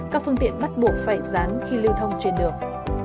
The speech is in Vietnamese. các phương tiện bắt buộc phải dán khi lưu thông trên đường